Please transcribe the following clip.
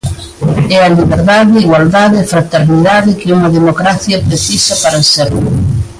É a liberdade, igualdade e fraternidade que unha democracia precisa para ser.